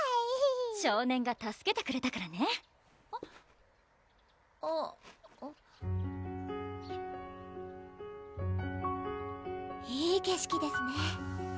少年が助けてくれたからねいい景色ですね